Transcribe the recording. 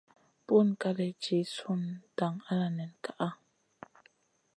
Buŋ kaley jih su dang ala nen kaʼa.